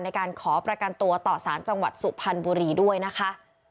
ในการขอประกันตัวต่อสารจังหวัดสุพรรณบุรีด้วยนะคะ